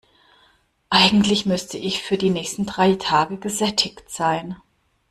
Eigentlich müsste ich für die nächsten drei Tage gesättigt sein.